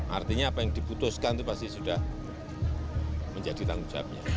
artinya apa yang diputuskan itu pasti sudah menjadi tanggung jawabnya